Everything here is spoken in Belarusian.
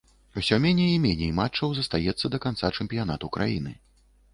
Усё меней і меней матчаў застаецца да канца чэмпіянату краіны.